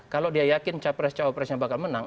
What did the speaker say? kalau dia yakin capres cawapresnya bakal menang